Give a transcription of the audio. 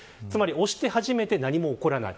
押して初めて、何も起こらない。